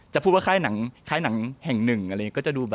จะพูดว่าค่ายหนังแห่งหนึ่งอะไรก็จะดูแบบ